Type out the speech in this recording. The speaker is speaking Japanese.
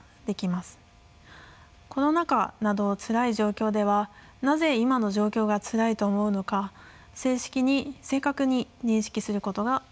コロナ禍などつらい状況ではなぜ今の状況がつらいと思うのか正確に認識することが大切です。